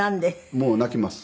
もう泣きます。